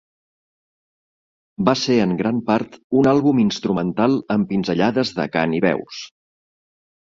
Va ser en gran part un àlbum instrumental amb pinzellades de cant i veus.